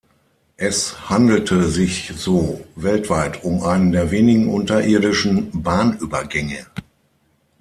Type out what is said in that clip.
Es handelte sich so weltweit um einen der wenigen unterirdischen Bahnübergänge.